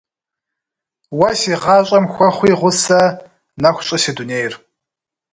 Уэ си гъащӏэм хуэхъуи гъусэ, нэху щӏы си дунейр.